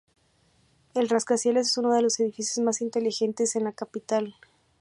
El rascacielos es uno de los edificios más inteligentes en la capital.